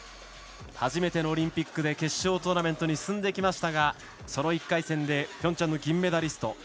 初めてのオリンピックで決勝トーナメントに進んできましたがその１回戦でピョンチャンの銀メダリスト